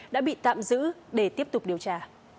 đã bị tạm giữ để tiếp tục điều tra